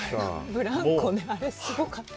ブランコのあれ、すごかった。